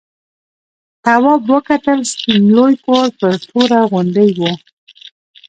تواب وکتل سپین لوی کور پر توره غونډۍ و.